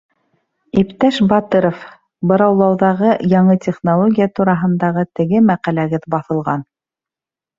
— Иптәш Батыров, быраулауҙағы яңы технология тураһындағы теге мәҡәләгеҙ баҫылған!